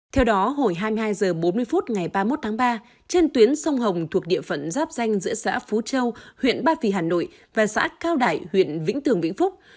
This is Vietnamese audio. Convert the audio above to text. theo đó hồi hai mươi hai h bốn mươi phút ngày ba mươi một tháng ba trên tuyến sông hồng thuộc địa phận giáp danh giữa xã phú châu huyện ba vì hà nội và xã cao đại huyện vĩnh tường vĩnh phúc